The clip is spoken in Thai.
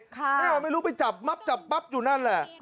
นี่แหละไม่รู้ไปจับม๊าบจับป๊าบอยู่นั่นแหละ